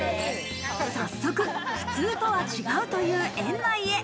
早速、普通とは違うという園内へ。